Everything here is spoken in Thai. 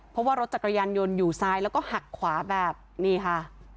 เพราะว่ารถจักรยานยนต์อยู่ซ้ายแล้วก็หักขวาแบบนี้ค่ะ